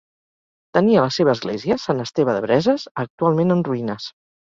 Tenia la seva església, Sant Esteve de Breses, actualment en ruïnes.